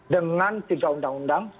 dengan tiga undang undang